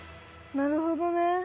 なるほどね。